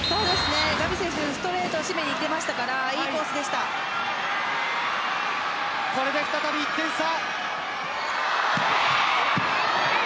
ガビ選手ストレートを締めにいっていたのでこれで再び１点差。